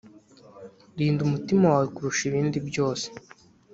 rinda umutima wawe kuruta ibindi byose